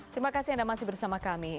terima kasih anda masih bersama kami